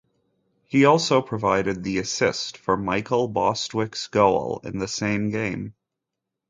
He also provided the assist for Michael Bostwick's goal in the same game.